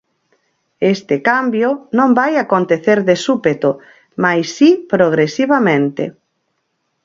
Este cambio non vai acontecer de súpeto, mais si progresivamente.